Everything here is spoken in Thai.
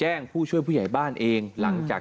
ให้ข้อมูลบอกว่าวัดเนี่ยมีมาตรการในการดูแลความปลอดภัย